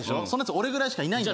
俺ぐらいしかいないんだよ